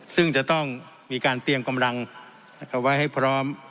ซึ่งจะต้องมีการเตรียมกำลังไว้ให้พร้อม